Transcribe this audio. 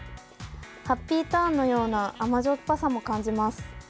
ハッピーターンのような甘塩っぱさも感じます。